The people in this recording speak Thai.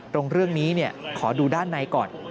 ตรงเรื่องนี้ขอดูด้านในก่อน